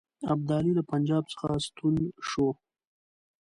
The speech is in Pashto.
ابدالي له پنجاب څخه ستون شو.